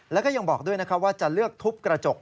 แล้วก็ยังบอกด้วยนะครับว่าจะเลือกทุบกระจก